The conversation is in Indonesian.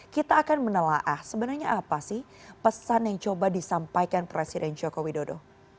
kita akan menelaah sebenarnya apa sih pesan yang coba disampaikan presiden joko widodo